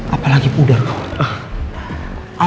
apalagi udar kawan